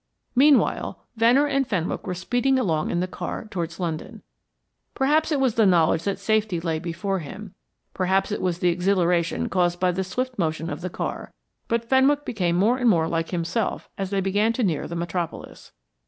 Meanwhile, Venner and Fenwick were speeding along in the car towards London. Perhaps it was the knowledge that safety lay before him, perhaps it was the exhilaration caused by the swift motion of the car, but Fenwick became more and more like himself as they began to near the Metropolis.